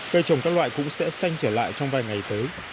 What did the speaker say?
cây trồng các loại cũng sẽ xanh trở lại trong vài ngày tới